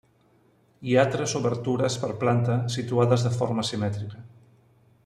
Hi ha tres obertures per planta situades de forma simètrica.